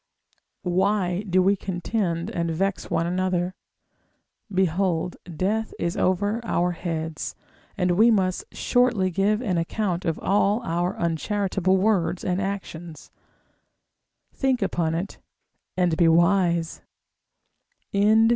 Why do we contend and vex one another? behold death is over our heads, and we must shortly give an account of all our uncharitable words and actions: think upon it: and be wise. SECT. II.